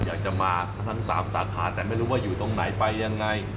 อยากจะมาทั้ง๓สาขาแต่ไม่รู้ว่าอยู่ตรงไหนไปยังไง